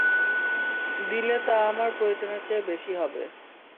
দিলে তা আমার প্রয়োজনের চেয়ে বেশী হবে।